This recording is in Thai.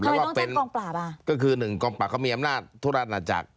แล้วก็เป็นก็คือหนึ่งกรองปราบจะมีอำนาจถ้าร่านอาจักร